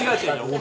俺！